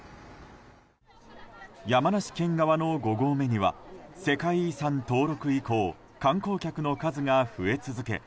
山梨県側の５合目には世界遺産登録以降観光客の数が増え続け